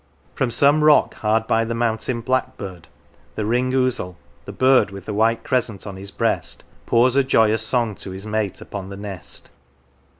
From some rock hard by the mountain blackbird, the ring ousel, the bird with the white crescent on his breast, pours a joyous song to his mate upon the nest.